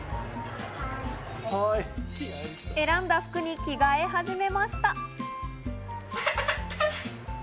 選んだ服に着替え始めました。